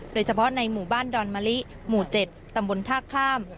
โดยเฉพาะในหมู่บ้านดอนมะลิหมู่๗ตำบลท่าข้าม